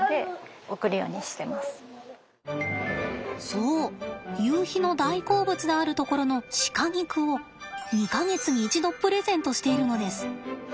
そうゆうひの大好物であるところの鹿肉を２か月に一度プレゼントしているのです。